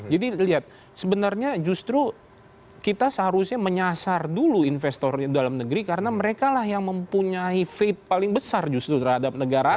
jadi lihat sebenarnya justru kita seharusnya menyasar dulu investor dalam negeri karena mereka lah yang mempunyai faith paling besar justru terhadap negaranya